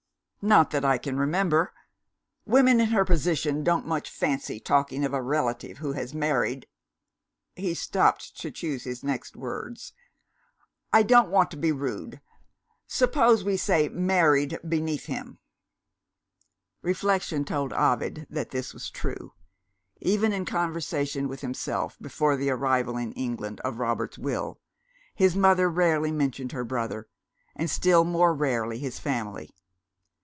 "Not that I can remember. Women in her position don't much fancy talking of a relative who has married" he stopped to choose his next words. "I don't want to be rude; suppose we say married beneath him?" Reflection told Ovid that this was true. Even in conversation with himself (before the arrival in England of Robert's Will), his mother rarely mentioned her brother and still more rarely his family.